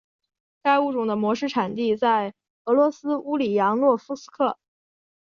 该物种的模式产地在俄罗斯乌里扬诺夫斯克。